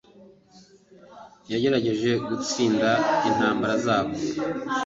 Yagerageje gutsinda intambara zabo